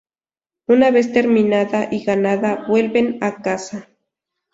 Una vez terminada y ganada, vuelven a casa.